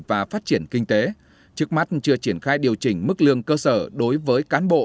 và phát triển kinh tế trước mắt chưa triển khai điều chỉnh mức lương cơ sở đối với cán bộ